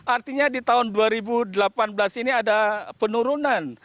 artinya di tahun dua ribu delapan belas ini ada penurunan